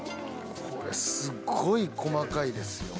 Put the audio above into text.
これすごい細かいですよ。